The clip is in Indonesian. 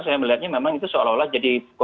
saya melihatnya memang itu seolah olah jadi